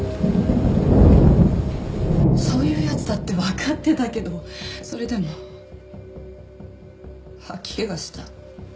そういう奴だってわかってたけどそれでも吐き気がした。